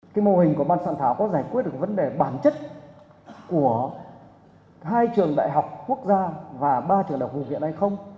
cái mô hình của ban soạn thảo có giải quyết được vấn đề bản chất của hai trường đại học quốc gia và ba trường đại học vùng viện hay không